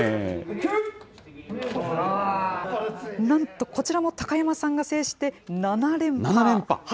なんとこちらも高山さんが制して、７連覇。